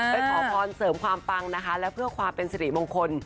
ขอพรเสริมความปังนะคะและเพื่อความเป็นสิริมงคล